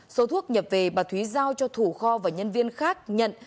số thuốc nhập về bà thúy giao cho thủ kho và nhân viên khác nhận